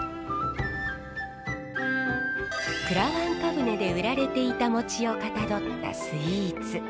くらわんか舟で売られていたをかたどったスイーツ。